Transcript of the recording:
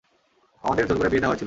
আমাদের জোর করে বিয়ে দেয়া হয়েছিল।